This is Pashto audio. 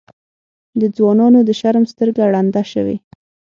د ځوانانو د شرم سترګه ړنده شوې.